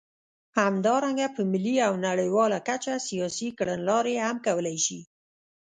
همدارنګه په ملي او نړیواله کچه سیاسي کړنلارې هم کولای شي.